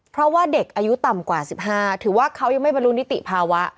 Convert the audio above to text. เพราะว่าเด็กอายุต่ำกว่า๑๕ถือว่าเขายังไม่บรรลุนิติภาวะ